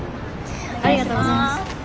ありがとうございます。